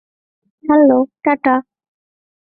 Hello, tata.